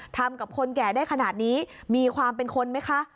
ทำกับคนแก่ได้ขนาดนี้มีความเป็นคนไหมคะ